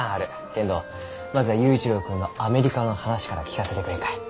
けんどまずは佑一郎君のアメリカの話から聞かせてくれんかえ？